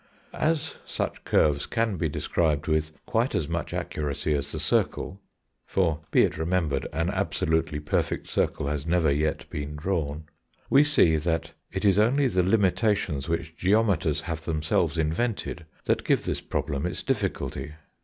As such curves can be described with quite as much accuracy as the circle—for, be it remembered, an absolutely perfect circle has never yet been drawn—we see that it is only the limitations which geometers have themselves invented that give this problem its difficulty.